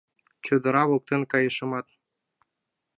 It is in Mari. Чодыра воктен кайышымат